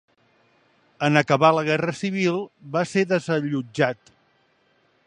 En acabar la Guerra Civil va ser desallotjat.